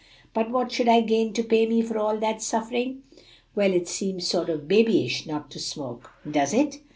"But what should I gain to pay me for all the suffering?" "Well, it seems sort o' babyish not to smoke." "Does it?